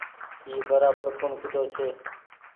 اي برابر ڪوڻ ڪيۮو ڇي۔